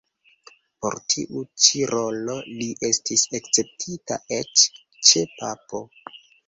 Por tiu ĉi rolo li estis akceptita eĉ ĉe papo.